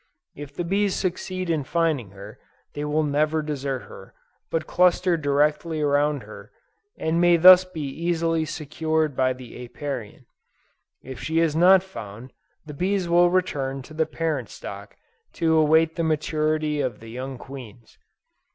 If the bees succeed in finding her, they will never desert her, but cluster directly around her, and may thus be easily secured by the Apiarian. If she is not found, the bees will return to the parent stock to await the maturity of the young queens.